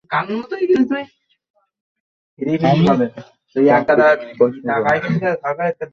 জোগান দেওয়ার দক্ষতাকে নয়, বরং চাহিদাকে কমিয়ে আনার ওপরে প্রাধান্য দিতে হবে।